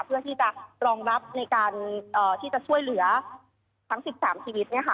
เพื่อที่จะรองรับในการที่จะช่วยเหลือทั้ง๑๓ชีวิต